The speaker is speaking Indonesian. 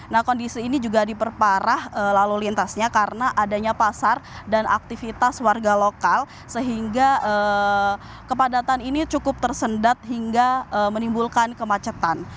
nah kondisi ini juga diperparah lalu lintasnya karena adanya pasar dan aktivitas warga lokal sehingga kepadatan ini cukup tersendat hingga menimbulkan kemacetan